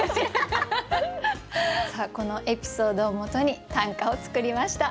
このエピソードをもとに短歌を作りました。